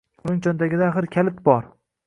Uning cho‘ntagida, axir, kalit bor